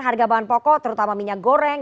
harga bahan pokok terutama minyak goreng